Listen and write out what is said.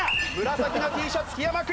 紫のＴシャツ檜山君！